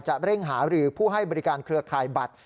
เร่งหารือผู้ให้บริการเครือข่ายบัตร